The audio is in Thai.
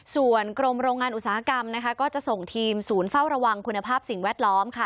ส่วนกรมโรงงานอุตสาหกรรมนะคะก็จะส่งทีมศูนย์เฝ้าระวังคุณภาพสิ่งแวดล้อมค่ะ